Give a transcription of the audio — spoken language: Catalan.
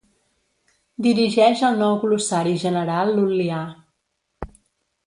Dirigeix el Nou Glossari General Lul·lià.